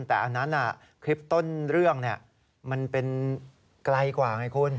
แต่อันนั้นคลิปต้นเรื่องมันเป็นไกลกว่าไงคุณ